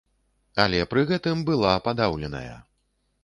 Але пры гэтым была падаўленая.